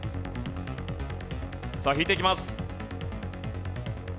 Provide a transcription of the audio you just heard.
さあ引いていきます。